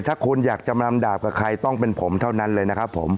ถ้าคุณอยากจะมาลำดาบกับใครต้องเป็นผมเท่านั้นเลยนะครับผม